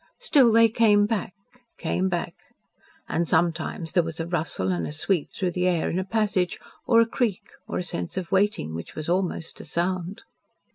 Still they came back came back. And sometimes there was a rustle and a sweep through the air in a passage, or a creak, or a sense of waiting which was almost a sound.